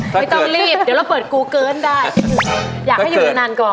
ไม่ต้องรีบเดี๋ยวเราเปิดกูเกินได้อยากให้อยู่นานก่อน